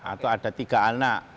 atau ada tiga anak